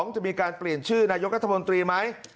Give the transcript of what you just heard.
จะมีการเปลี่ยนชื่อนายกรัฐมนตรีไหม